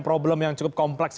problem yang cukup kompleks